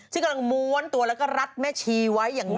ซึ่งกำลังม้วนตัวแล้วก็รัดแม่ชีไว้อย่างนี้